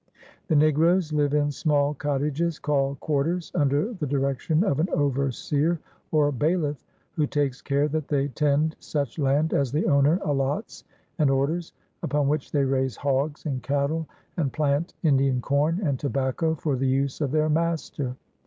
The Negroes live in small Cottages called Quarters ... under the direction of an Overseer or Bailiff; who takes care that they tend such Land as the Owner allots and orders, upon which they raise Hogs and Cattle and plant Indian Com, and Tobacco for the Use of their Master.